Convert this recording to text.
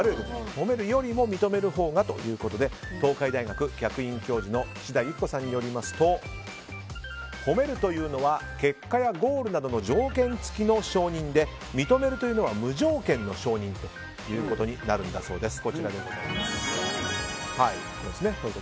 褒めるよりも認めるほうがということで東海大学客員教授の岸田雪子さんによりますと褒めるというのは結果やゴールなどの条件付きの承認で認めるというのは無条件の承認ということになるんだそうです。